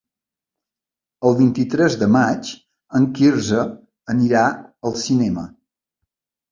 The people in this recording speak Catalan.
El vint-i-tres de maig en Quirze anirà al cinema.